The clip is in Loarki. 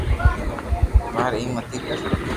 يار ايم متي ڪر